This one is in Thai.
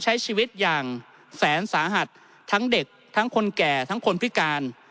ใช้ชีวิตอย่างแสนสาหัสทั้งเด็กทั้งคนแก่ทั้งคนพิการ